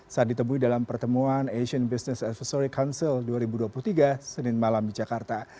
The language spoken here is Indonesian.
saat ditemui dalam pertemuan asian business advisory council dua ribu dua puluh tiga senin malam di jakarta